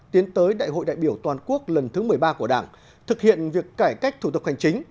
tiến tới đại hội đại biểu toàn quốc lần thứ một mươi ba của đảng thực hiện việc cải cách thủ tục hành chính